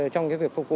trong việc phục vụ